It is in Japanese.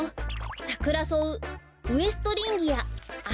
サクラソウウエストリンギアアケビ。